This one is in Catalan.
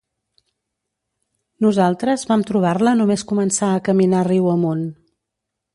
Nosaltres vam trobar-la només començar a caminar riu amunt.